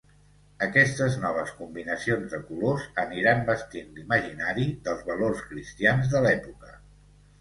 Aquestes noves combinacions de colors aniran vestint l'imaginari dels valors cristians de l'època.